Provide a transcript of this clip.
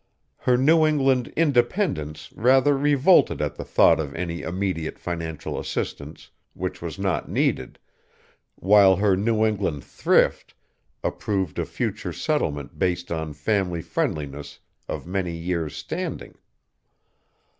Her New England independence rather revolted at the thought of any immediate financial assistance, which was not needed, while her New England thrift approved a future settlement based on family friendliness of many years' standing.